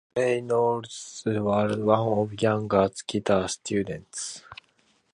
Reynolds was one of Youngs guitar students.